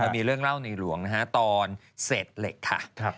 มีเรื่องเร่านายหลวงตอนเสร็จเเล็กค่ะ